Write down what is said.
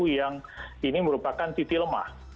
yang ini merupakan titik lemah